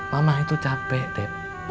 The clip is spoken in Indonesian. mama itu capek deb